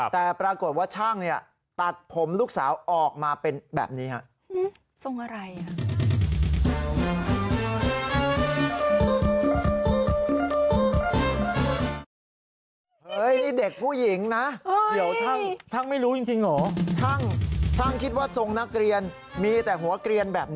แต่ปรากฏว่าช่างเนี่ยตัดผมลูกสาวออกมาเป็นแบบนี้ฮะ